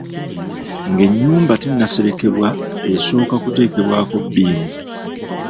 Ng’ennyumba tennaserekebwa esooka kuteekebwako bbiimu.